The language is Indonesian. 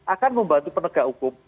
akan membantu penegak hukum